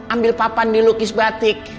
ambil papan dilukis batik